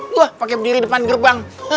gua pake berdiri depan gerbang